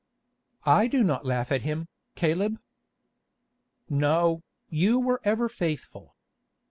"I do not laugh at him, Caleb." "No, you were ever faithful.